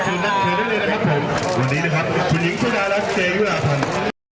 คุณนัดเชิญได้เลยนะครับผมวันนี้นะครับคุณหญิงสุดารักเจยุดาภัณฑ์